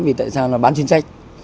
vì tại sao nó bán trên sách